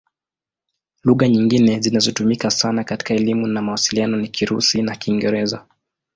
Lugha nyingine zinazotumika sana katika elimu na mawasiliano ni Kirusi na Kiingereza.